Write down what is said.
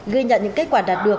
ghi nhận những kết quả đạt được